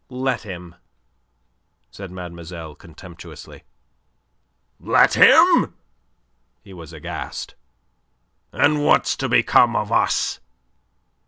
"Let him," said mademoiselle contemptuously. "Let him?" He was aghast. "And what's to become of us?"